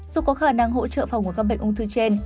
dù có khả năng hỗ trợ phòng của các bệnh ung thư trên